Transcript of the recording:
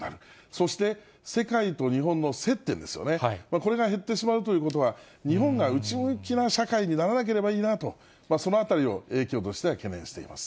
そして、世界と日本の接点ですよね、これが減ってしまうということは、日本が内向きな社会にならなければいいなと、そのあたりを影響としては懸念しています。